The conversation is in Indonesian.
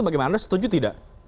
bagaimana anda setuju tidak